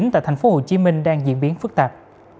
tại thành phố hồ chí minh đang diễn biến phức tạp